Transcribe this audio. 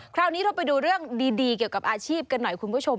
คราวนี้เราไปดูเรื่องดีเกี่ยวกับอาชีพกันหน่อยคุณผู้ชม